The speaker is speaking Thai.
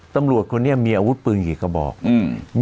ตำรวจคนนี้มีอาวุธปืนอย่างเกี่ยวกับเค้าบอกอืม